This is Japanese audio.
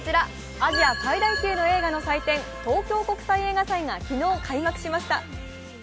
アジア最大級の映画の祭典・東京国際映画祭が昨日開幕しました。